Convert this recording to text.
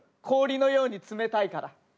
氷のように冷たいから。